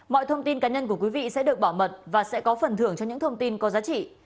mọi thông tin cá nhân của quý vị sẽ được bảo mật và sẽ có phần thưởng cho những thông tin có giá trị